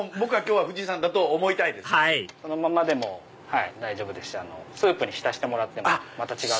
はいそのままでも大丈夫ですしスープに浸してもらっても違う。